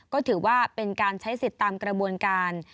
ก็ถือว่าเป็นการใช้สิทธิ์ตามกระบวนการ